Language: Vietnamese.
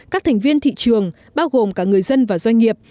các thành viên thị trường bao gồm cả người dân và doanh nghiệp